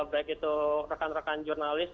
baik itu rekan rekan jurnalis